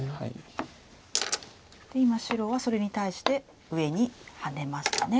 で今白はそれに対して上にハネましたね。